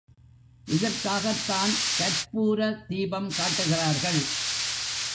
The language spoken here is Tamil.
இதற்காகத்தான் கர்ப்பூர தீபம் காட்டுகிறார்கள்.